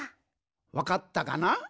わかったかな？